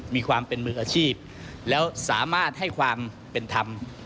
มีความเป็นมืออาชีพแล้วสามารถให้ความเป็นธรรม